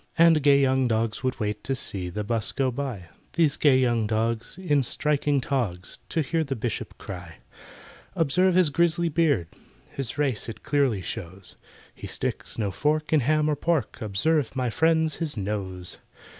And gay young dogs would wait To see the 'bus go by (These gay young dogs, in striking togs), To hear the Bishop cry: "Observe his grisly beard, His race it clearly shows, He sticks no fork in ham or pork— Observe, my friends, his nose.